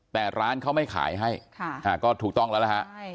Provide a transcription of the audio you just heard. แต่ร้านเขาไม่ขายให้ค่ะอ่าก็ถูกต้องแล้วล่ะฮะใช่